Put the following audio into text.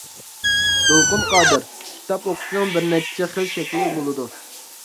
دولقۇن قادىر: كىتاب ئوقۇشنىڭ بىر نەچچە خىل شەكلى بولىدۇ.